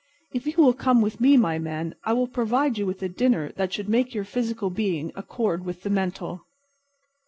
If you will come with me, my man, I will provide you with a dinner that should make your physical being accord with the mental."